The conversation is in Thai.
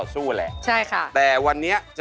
สวัสดีครับ